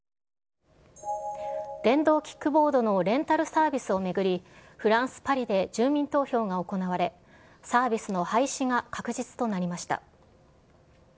電動キックボードのレンタルサービスを巡り、フランス・パリで住民投票が行われ、サービスの廃止が確実となりました。